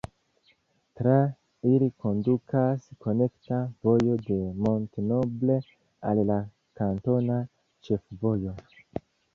Tra ili kondukas konekta vojo de Mont-Noble al la kantona ĉefvojo.